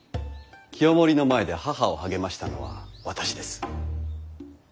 清盛の前で母を励ましたのは私です。